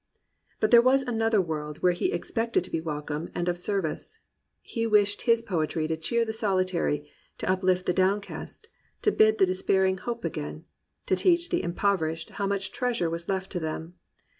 But there was another world where he exi>ected to be welcome and of service. He wished his poetry to cheer the solitary, to uplift the downcast, to bid the despairing hope again, to teach the impoverished how much treasure was left to them.